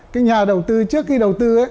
cái nhà đầu tư trước khi đầu tư